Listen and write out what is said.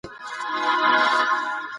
موږ بايد د بيان لپاره کوم ميتود وکاروو؟